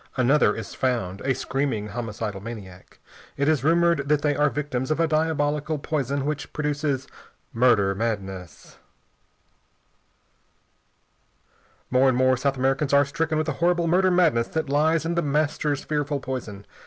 Another is found a screaming homicidal maniac. It is rumored that they are victims of a diabolical poison which produces "murder madness." [Sidenote: More and more South Americans are stricken with the horrible "murder madness" that lies in The Master's fearful poison.